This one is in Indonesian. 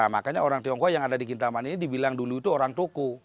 makanya orang tionghoa yang ada di kintaman ini dibilang dulu itu orang toko